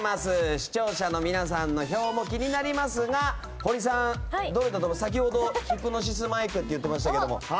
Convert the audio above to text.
視聴者の皆さんの票も気になりますが堀さん、先ほど「ヒプノシスマイク」って言ってましたけど